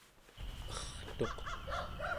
ertuq